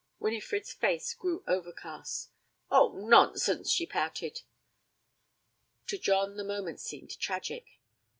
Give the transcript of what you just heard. Winifred's face grew overcast. 'Oh, nonsense!' she pouted. To John the moment seemed tragic.